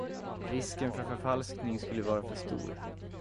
Risken för förfalskning skulle vara för stor.